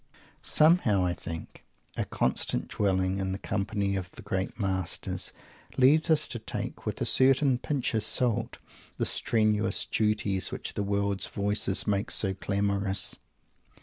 Somehow I think a constant dwelling in the company of the "great masters" leads us to take with a certain "pinch of salt" the strenuous "duties" which the World's voices make so clamorous!